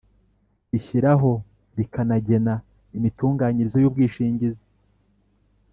rishyiraho rikanagena imitunganyirize y’ubwishingizi